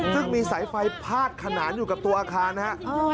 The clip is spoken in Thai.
ซึ่งมีสายไฟพาดขนานอยู่กับตัวอาคารนะครับ